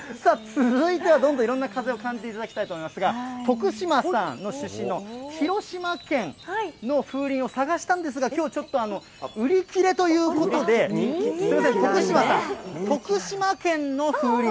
続いては、どんどんいろんな風を感じていただきたいと思いますが、徳島さんの出身の広島県、の風鈴を探したんですが、きょうちょっと、売り切れということで、すみません、徳島さん、徳島県の風鈴。